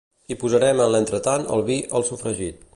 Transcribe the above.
Hi posarem en l'entretant el vi al sofregit.